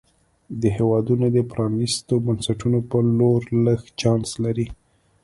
دا هېوادونه د پرانیستو بنسټونو په لور لږ چانس لري.